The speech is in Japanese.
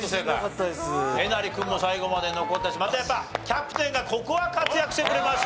えなり君も最後まで残ったしまたやっぱキャプテンがここは活躍してくれまして。